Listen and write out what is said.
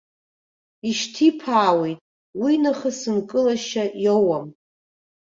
Ишьҭиԥаауеит, уинахыс нкылашьа иоуам.